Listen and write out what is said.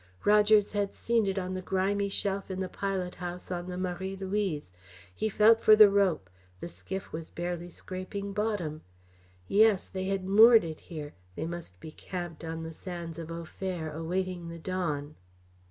Rogers had seen it on the grimy shelf in the pilothouse on the Marie Louise. He felt for the rope; the skiff was barely scraping bottom. Yes, they had moored it here they must be camped on the sands of Au Fer, awaiting the dawn.